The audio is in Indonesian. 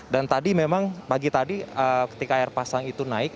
dan tadi memang pagi tadi ketika air pasang itu naik